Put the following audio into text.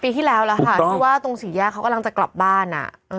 ปีที่แล้วแล้วค่ะที่ว่าตรงสี่แยกเขากำลังจะกลับบ้าน